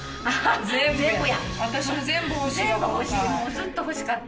ずっと欲しかった。